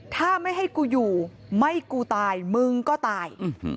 ถ้าไม่ให้กูอยู่ไม่กูตายมึงก็ตาย